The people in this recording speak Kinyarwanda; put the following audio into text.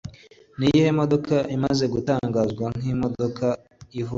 Niyihe modoka imaze gutangazwa nkimodoka yihuta?